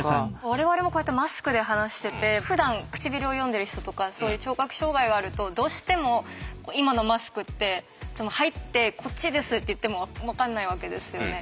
我々もこうやってマスクで話しててふだん唇を読んでる人とかそういう聴覚障害があるとどうしても今のマスクって入って「こっちです」って言ってもわかんないわけですよね。